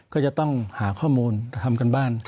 ก็จะต้องหาข้อมูลทำการบ้าน